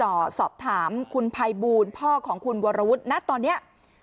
สอบถามคุณภัยบูลพ่อของคุณวรวุฒินะตอนนี้